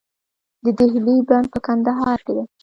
د دهلې بند په کندهار کې دی